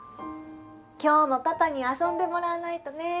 今日もパパに遊んでもらわないとね。